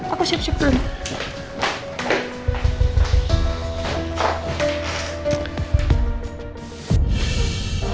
aku siap siap dulu